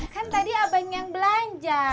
kan tadi abang yang belanja